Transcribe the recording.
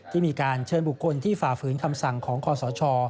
ที่มีการเชิญบุคคลที่ฝ่าฝืนคำสั่งของคอสช